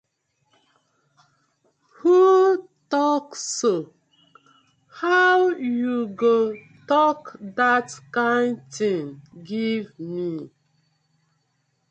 Who tok so, how yu go tok dat kind tin giv mi.